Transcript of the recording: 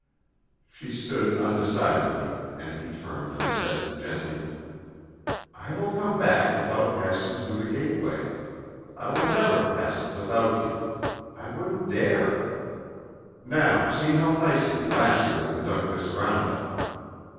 She stood undecidedly, and he turned and said gently, "I will come back without passing through the gateway. I will never pass it without you. I wouldn't dare. Now see how nicely Lassie will conduct this round up."